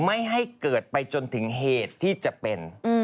ไม่ให้เกิดไปจนถึงเหตุที่จะเป็น